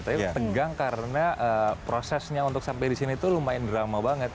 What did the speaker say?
tapi tegang karena prosesnya untuk sampai disini itu lumayan drama banget